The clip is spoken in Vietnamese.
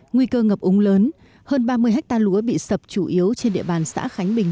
nguy cơ ngập úng lớn hơn ba mươi hectare lúa bị sập chủ yếu trên địa bàn xã khánh bình